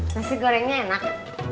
nasi gorengnya enak